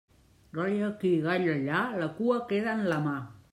Gall aquí, gall allà, la cua queda en la mà.